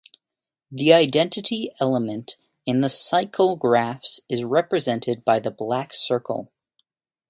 The identity element in the cycle graphs is represented by the black circle.